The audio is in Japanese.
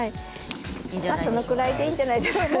そのくらいでいいんじゃないでしょうかね。